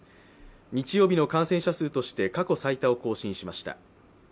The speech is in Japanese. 日曜日の感染者数として過去最多を更新しました。